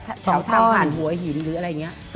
แถวถ้าหาห่วหินหรืออะไรเนี้ย